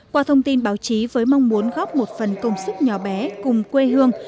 qua thông tin báo chí với mong muốn góp một phần công sức nhỏ bé cùng quê hương